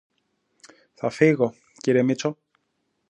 Θα φύγω, κύριε Μήτσο